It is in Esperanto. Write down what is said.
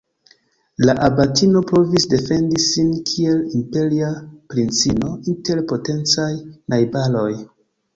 La abatino provis defendi sin kiel imperia princino inter potencaj najbaroj.